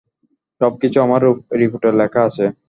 সবকিছু আমার রিপোর্টে লেখা আছে।